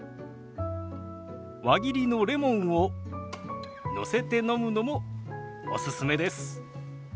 輪切りのレモンをのせて飲むのもおすすめです。